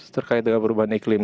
terkait dengan perubahan iklim